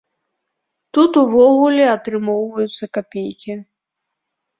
Тут увогуле атрымоўваюцца капейкі.